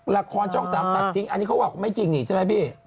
ละครช่อง๓ตัดทิ้งอันนี้เขาบอกไม่จริงนี่ใช่ไหมพี่